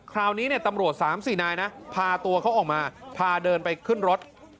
คราวนี้ตำรวจ๓๔นายนะพาตัวเขาออกมาพาเดินไปขึ้นรถ